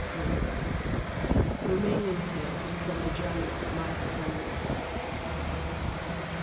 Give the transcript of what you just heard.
Roumanian Tales from the German of Mite Thremnitz.